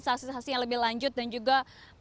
saksisasi yang lebih lanjut dan juga